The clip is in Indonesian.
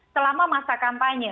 selama masa kampanye